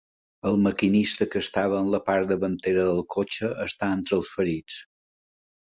El maquinista, que estava en la part davantera del cotxe, està entre els ferits.